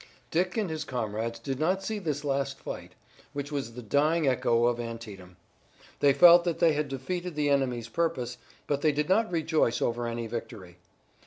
Dick and his comrades did not see this last fight, which was the dying echo of Antietam. They felt that they had defeated the enemy's purpose, but they did not rejoice over any victory.